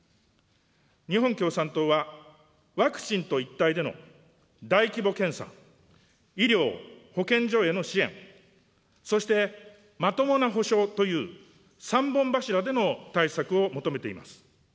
日本共産党はワクチンと一体での大規模検査、医療、保健所への支援、そしてまともな補償という、３本柱での対策を求めています。